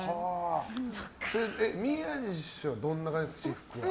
宮治師匠、私服はどんな感じですか？